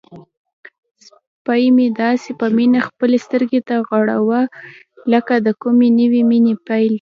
سپی مې داسې په مینه خپلې سترګې غړوي لکه د کومې نوې مینې پیل.